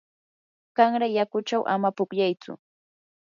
qanra yakuchaw ama pukllaytsu.